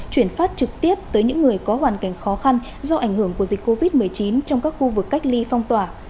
chuyển phát trực tiếp tới những người có hoàn cảnh khó khăn do ảnh hưởng của dịch covid một mươi chín trong các khu vực cách ly phong tỏa